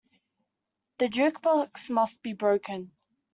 The jukebox must be broken.